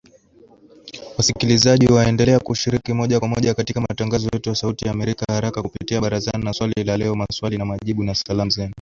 Wasikilizaji waendelea kushiriki moja kwa moja katika matangazo yetu ya Sauti ya Amerika haraka kupitia Barazani na Swali la Leo, Maswali na Majibu, na Salamu Zenu